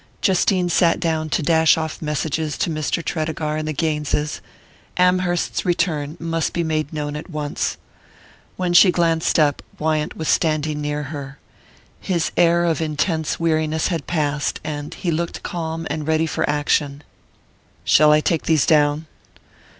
Justine sat down to dash off messages to Mr. Tredegar and the Gaineses: Amherst's return must be made known at once. When she glanced up, Wyant was standing near her. His air of intense weariness had passed, and he looked calm and ready for action. "Shall I take these down?"